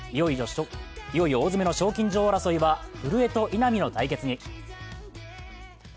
いよいよ大詰めの賞金女王争いは古江と稲見の対決に。